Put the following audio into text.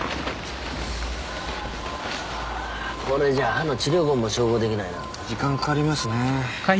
これじゃ歯の治療痕も照合できないな時間かかりますね